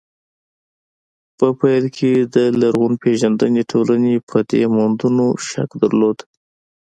په پيل کې د لرغونپېژندنې ټولنې په دې موندنو شک درلود.